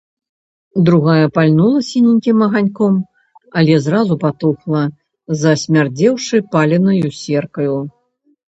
Другая пальнула сіненькім аганьком, але зразу патухла, засмярдзеўшы паленаю серкаю.